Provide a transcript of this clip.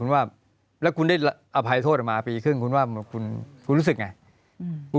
ว่าแล้วคุณได้อภัยโทษออกมาปีครึ่งคุณว่าคุณรู้สึกไง